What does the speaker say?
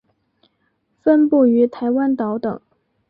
分布于台湾岛等。